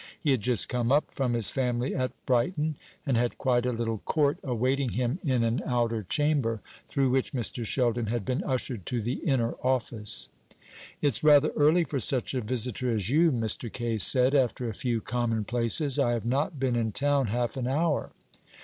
He had just come up from his family at Brighton, and had quite a little court awaiting him in an outer chamber, through which Mr. Sheldon had been ushered to the inner office. "It's rather early for such a visitor as you," Mr. Kaye said, after a few commonplaces. "I have not been in town half an hour."